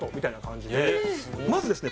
まずですね